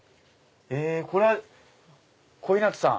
これは小日向さん。